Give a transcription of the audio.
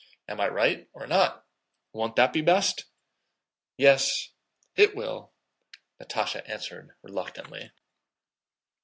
Am I right or not? Won't that be best?" "Yes, it will," Natásha answered reluctantly.